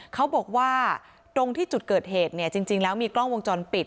เขาบอกว่าตรงที่จุดเกิดเหตุเนี่ยจริงแล้วมีกล้องวงจรปิด